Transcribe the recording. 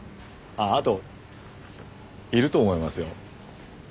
ああといると思いますよ。